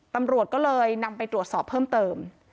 ตำรวจก็เลยนำไปตรวจสอบเพิ่มเติม